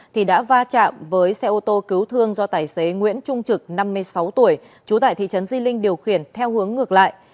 thì đã va chạm với xe ô tô cứu thương do tài xế nguyễn trung trực năm mươi sáu tuổi trú tại thị trấn di linh điều khiển theo hướng ngược lại